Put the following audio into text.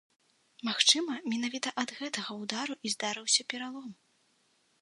Магчыма, менавіта ад гэтага ўдару і здарыўся пералом.